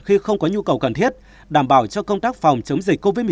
khi không có nhu cầu cần thiết đảm bảo cho công tác phòng chống dịch covid một mươi chín